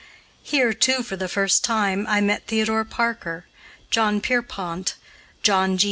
Here, too, for the first time, I met Theodore Parker, John Pierpont, John G.